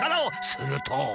すると。